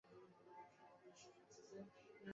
রাতারাতি বোনটাকে লইয়া কোথায় উধাও হইয়া গেল কুমুদ?